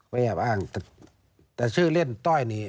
แอบอ้างแต่ชื่อเล่นต้อยนี่